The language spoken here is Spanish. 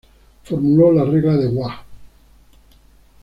Formuló la regla de Wahl.